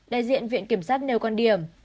đại diện viện kiểm sát nêu quan điểm